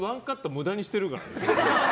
無駄にしてるからね。